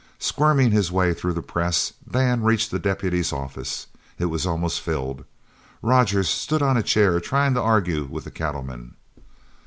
Squirming his way through the press, Dan reached the deputy's office. It was almost filled. Rogers stood on a chair trying to argue with the cattlemen.